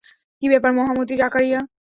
কি ব্যাপার মহামতি জাকারিয়া?